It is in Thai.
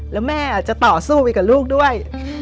แล้วแม่จะต่อสู้ไปกับลูกด้วย